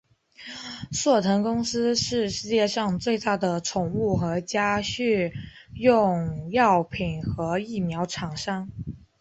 硕腾公司是世界上最大的宠物和家畜用药品和疫苗厂商。